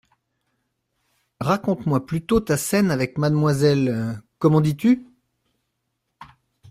Raconte-moi plutôt ta scène avec mademoiselle … comment dis-tu ?